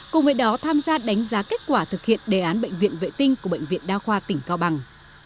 cùng với đó tham gia đánh giá kết quả thực hiện đề án bệnh viện vệ tinh của bệnh viện đa khoa tỉnh cao bằng